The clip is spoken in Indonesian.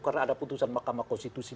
karena ada putusan mahkamah konstitusi